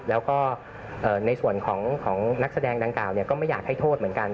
แล้วก็ในส่วนของนักแสดงดังกล่าก็ไม่อยากให้โทษเหมือนกัน